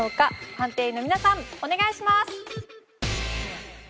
判定員の皆さんお願いします。